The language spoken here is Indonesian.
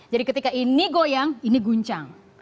jadi ketika ini goyang ini guncang